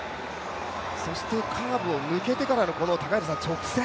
そしてカーブを抜けてからの、この直線。